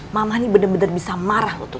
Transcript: mama nih bener bener bisa marah loh tut